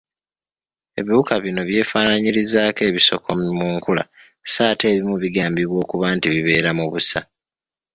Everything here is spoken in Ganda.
Ebiwuka bino byefaananyirizaako ebisokomi mu nkula so ate ebimu bigambibwa okuba nti bibeera mu busa.